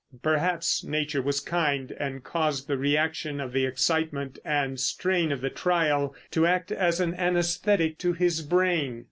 Perhaps nature was kind, and caused the reaction of the excitement and strain of the trial to act as an anæsthetic to his brain.